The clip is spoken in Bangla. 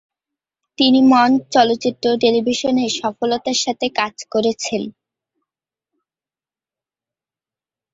তিনি মঞ্চ, চলচ্চিত্র ও টেলিভিশনে সফলতার সাথে কাজ করেছেন।